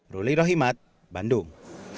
ruli rohimat bandung